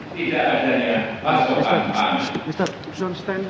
tidak adanya pasokan panen